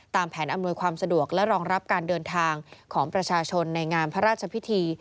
แผนอำนวยความสะดวกและรองรับการเดินทางของประชาชนในงานพระราชพิธี